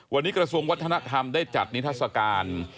วันนี้กระทรวงวัฒนธรรมได้จัดนิทัศกาล